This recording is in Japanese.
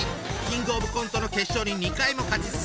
キングオブコントの決勝に２回も勝ち進んだ実力者！